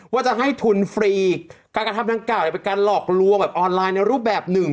ว่าจะให้ทุนฟรีการกระทำดังกล่าวเป็นการหลอกลวงแบบออนไลน์ในรูปแบบหนึ่ง